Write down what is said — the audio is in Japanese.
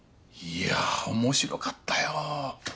いや面白かったよ。